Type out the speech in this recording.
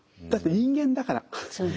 だって人間だから。